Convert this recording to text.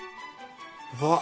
うわっ！